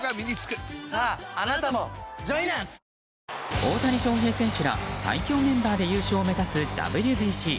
大谷翔平選手ら最強メンバーで優勝を目指すＷＢＣ。